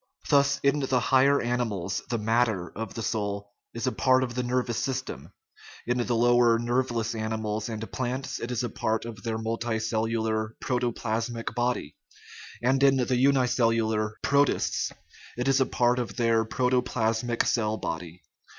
Thus, in the higher animals the " matter " of the soul is a part of the nervous sys tem ; in the lower nerveless animals and plants it is a part of their multicellular protoplasmic body; and in the unicellular protists it is a part of their protoplasmic cell body.